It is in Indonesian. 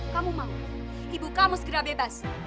kamu mau ibu kamu segera bebas